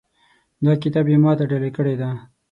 دا کتاب یې ما ته ډالۍ کړی ده